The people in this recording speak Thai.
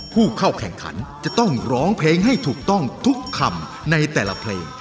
ผู้เข้าแข่งขันจะต้องร้องเพลงให้ถูกต้องทุกคำในแต่ละเพลง